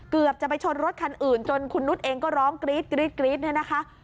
เกือบจะไปชนรถคันอื่นจนคุณนุฏเองก็ร้องกรี๊ดนี่นะคะ